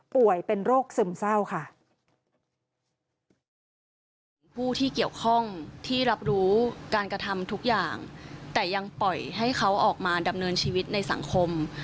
ผู้ที่เกี่ยวข้องที่รับรู้การกระทำทุกอย่างแต่ยังปล่อยให้เขาออกมาดำเนินชีวิตในสังคม